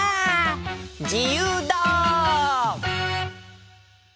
じゆうだ！